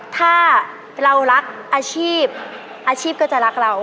ถ้าเรารักอาชีพอาชีพก็จะรักเรา